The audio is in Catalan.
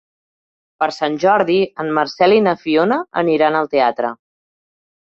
Per Sant Jordi en Marcel i na Fiona aniran al teatre.